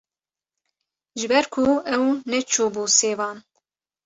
Ji ber ku ew neçûbû sêvan